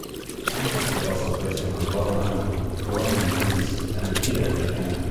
Launches took also place from Kerguelen island, Koroni in Greece and Akita in Japan.